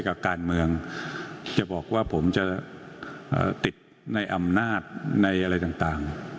กับการเมืองจะบอกว่าผมจะติดในอำนาจในอะไรต่าง